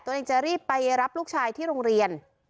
จะรีบไปรับลูกชายที่โรงเรียน